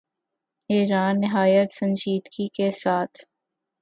ایران نہایت سنجیدگی کے ساتھ